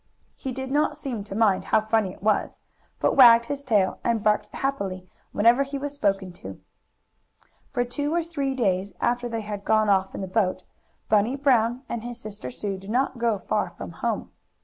He did not seem to mind how funny it was, but wagged his tail, and barked happily whenever he was spoken to. For two or three days after they had gone off in the boat, Bunny Brown and his sister Sue did not go far from home.